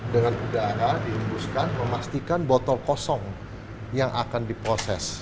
dengan udara dihembuskan memastikan botol kosong yang akan diproses